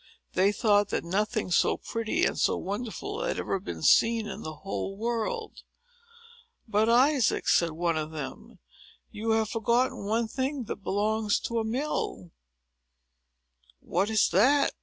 They thought that nothing so pretty, and so wonderful, had ever been seen in the whole world. "But, Isaac," said one of them, "you have forgotten one thing that belongs to a mill." "What is that?"